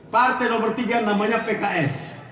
partai nomor tiga namanya pks